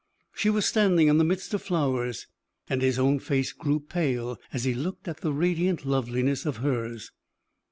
She was standing in the midst of flowers, and his own face grew pale as he looked at the radiant loveliness of hers.